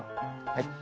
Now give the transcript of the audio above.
はい。